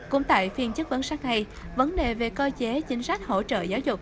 cũng tại phiên chức vấn sát ngày vấn đề về cơ chế chính sách hỗ trợ giáo dục